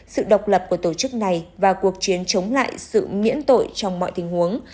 sự độc lập của tổ chức này và cuộc chiến chống lại sự miễn tội trong mọi tình huống